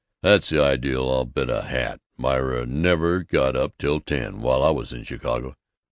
That's the idea! I'll bet a hat Myra never got up till ten, while I was in Chicago.